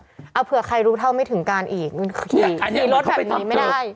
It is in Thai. เอาเผื่อใครรู้เท่าไม่ถึงการอีกขี่รถแบบนี้ไม่ได้